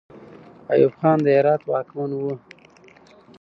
ایوب خان د هرات واکمن وو.